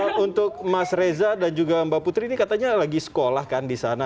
kalau untuk mas reza dan juga mbak putri ini katanya lagi sekolah kan di sana